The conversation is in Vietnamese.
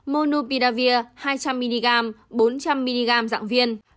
monopidavir hai trăm linh mg bốn trăm linh mg dạng viên